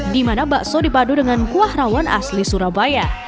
di mana bakso dipadu dengan kuah rawon asli surabaya